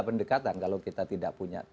pendekatan kalau kita tidak punya